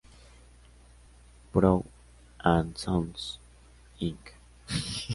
Brown and Sons, Inc.